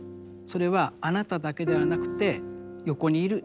それはあなただけではなくて横にいる人も。